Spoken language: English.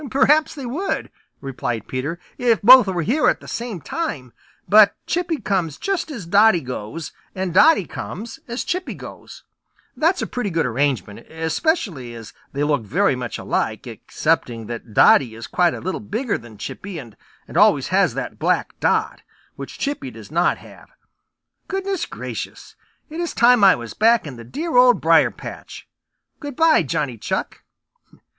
"Perhaps they would," replied Peter, "if both were here at the same time, but Chippy comes just as Dotty goes, and Dotty comes as Chippy goes. That's a pretty good arrangement, especially as they look very much alike, excepting that Dotty is quite a little bigger than Chippy and always has that black dot, which Chippy does not have. Goodness gracious, it is time I was back in the dear Old Briar patch! Good by, Johnny Chuck."